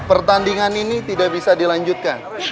pertandingan ini tidak bisa dilanjutkan